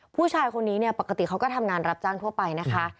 ผู้ชายคนนี้เนี่ยปกติเขาก็ทำงานรับจ้างทั่วไปนะคะ